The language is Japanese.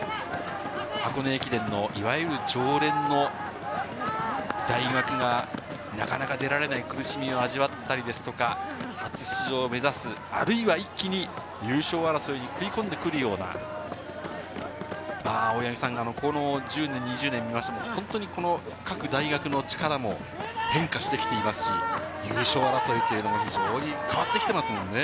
箱根駅伝のいわゆる常連の大学がなかなか出られない苦しみを味わったりですとか、初出場を目指す、あるいは一気に優勝争いに食い込んでくるような、大八木さん、この１０年、２０年を見ても各大学の力も変化してきていますし、優勝争いというのも非常に変わってきていますもんね。